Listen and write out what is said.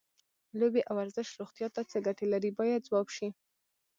لوبې او ورزش روغتیا ته څه ګټې لري باید ځواب شي.